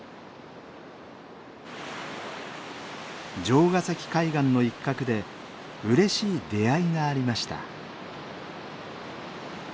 城ケ崎海岸の一角でうれしい出会いがありました。